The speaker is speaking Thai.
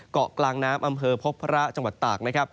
เกาะกลางน้ำอำเภอพบพระจังหวัดตากนะครับ